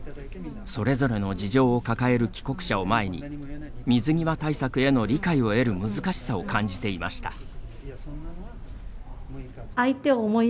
それぞれの事情を抱える帰国者を前に水際対策の理解を得る難しさを感じていました。